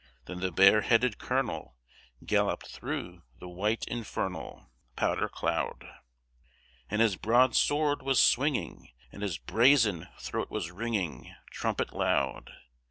Then the bareheaded Colonel Galloped through the white infernal Powder cloud; And his broadsword was swinging And his brazen throat was ringing Trumpet loud.